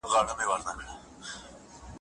د ثریا په ټیک کې لمر ټومبي رڼا راځي